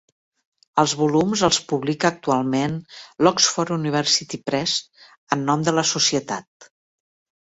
Els volums els publica actualment l'Oxford University Press en nom de la societat.